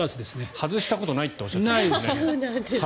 外したことないっておっしゃっていましたね。